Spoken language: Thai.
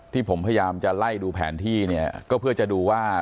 ที่ผมพยายามจะไล่ดูแผนที่เนี่ยก็เพื่อจะดูว่า